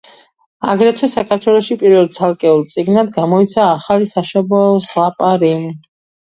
აგრეთვე, საქართველოში პირველად ცალკეულ წიგნად გამოიცა ახალი საშობაო ზღაპარი.